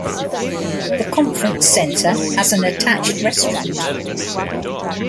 The conference center has an attached restaurant.